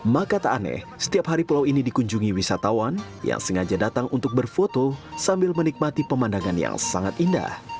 maka tak aneh setiap hari pulau ini dikunjungi wisatawan yang sengaja datang untuk berfoto sambil menikmati pemandangan yang sangat indah